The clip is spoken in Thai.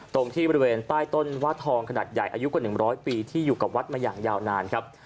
ตรงที่บริเวณใต้ต้นวาดทองขนาดใหญ่อายุกว่า๑๐๐ปีที่อยู่กับวัดมาอย่างยาวนานครับ